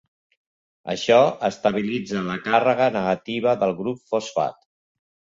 Això estabilitza la càrrega negativa del grup fosfat.